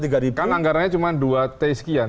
kan anggarannya cuma dua t sekian